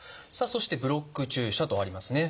そして「ブロック注射」とありますね。